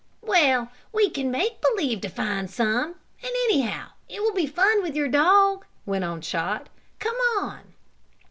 "Well, we can make believe to find some, and anyhow it will be fun with your dog," went on Chot. "Come on!"